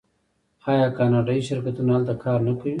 آیا کاناډایی شرکتونه هلته کار نه کوي؟